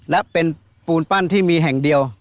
และเป็นปูนปั้นที่มีแห่งเดียว